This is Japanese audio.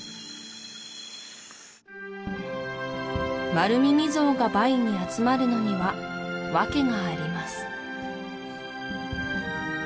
マルミミゾウがバイに集まるのにはワケがあります